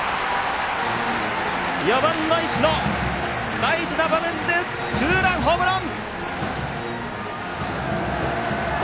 ４番の石野、大事な場面でツーランホームラン！